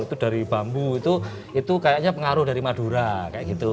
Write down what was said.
itu dari bambu itu kayaknya pengaruh dari madura kayak gitu